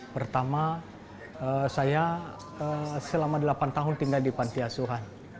pertama saya selama delapan tahun tinggal di pantiasuhan